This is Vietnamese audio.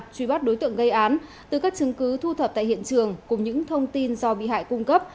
truy bắt đối tượng gây án từ các chứng cứ thu thập tại hiện trường cùng những thông tin do bị hại cung cấp